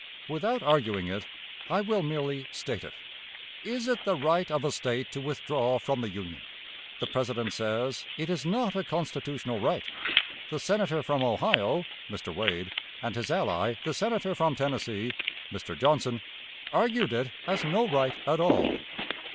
Without arguing it, I will merely state it. It is the right of a State to withdraw from the Union. The President says it is not a constitutional right. The Senator from Ohio [Mr. Wade], and his ally, the Senator from Tennessee [Mr. Johnson], argued it as no right at all.